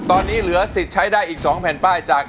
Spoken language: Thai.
ตอนนี้เหลือสิทธิ์ใช้ได้อีก๒แผ่นป้ายจาก